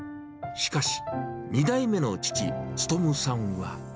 しかし、２代目の父、務さんは。